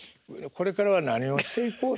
これからは何をしていこうと。